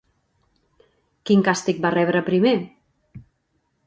Quin càstig va rebre primer?